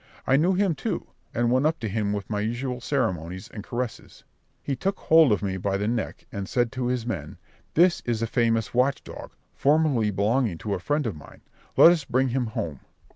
I knew him too, and went up to him with my usual ceremonies and caresses. He took hold of me by the neck, and said to his men, "This is a famous watch dog, formerly belonging to a friend of mine: let us bring him home."